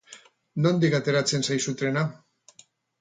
Nondik ateratzen zaizu trena?